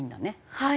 はい。